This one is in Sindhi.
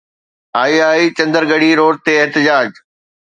II چندر ڳڙھي روڊ تي احتجاج